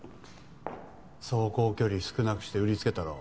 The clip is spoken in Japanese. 走行距離少なくして売りつけたろ